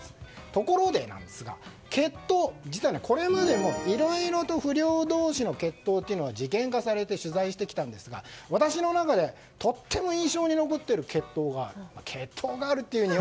ところで、決闘実はこれまでもいろいろと不良同士の決闘というのは事件化されて取材してきたんですが私の中でとっても印象に残っている決闘がある。